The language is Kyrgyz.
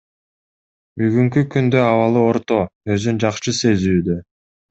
Бүгүнкү күндө абалы орто, өзүн жакшы сезүүдө.